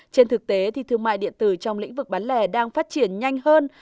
trên thực tế thương mại điện tử trong lĩnh vực bán lẻ đang phát triển nhanh hơn